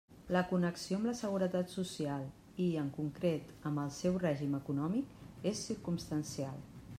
La connexió amb la Seguretat Social i, en concret, amb el seu règim econòmic, és circumstancial.